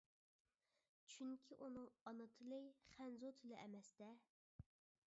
چۈنكى ئۇنىڭ ئانا تىلى خەنزۇ تىلى ئەمەس-دە.